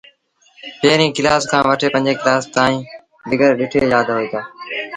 پيريٚݩ ڪلآس کآݩ وٺي پنجيٚن ڪلآس تائيٚݩ بيگر ڏٺي يآد هوئيٚتآ۔